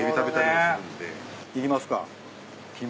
いきますか肝。